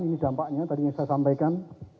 ini dampaknya tadi yang saya sampaikan